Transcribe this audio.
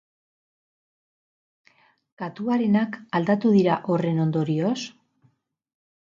Katuarenak aldatu dira horren ondorioz?